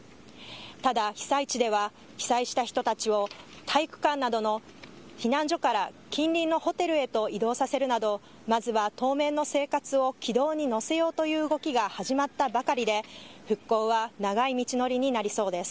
ただ、被災地では、被災した人たちを体育館などの避難所から近隣のホテルへと移動させるなど、まずは当面の生活を軌道に乗せようという動きが始まったばかりで、復興は長い道のりになりそうです。